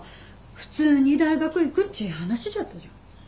普通に大学行くっち話じゃったじゃん。